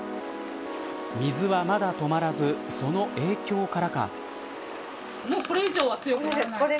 水はまだ止まらずその影響からか。